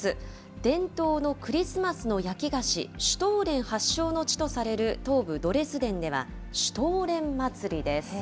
伝統のクリスマスの焼き菓子、シュトーレン発祥の地とされる東部ドレスデンでは、シュトーレン祭りです。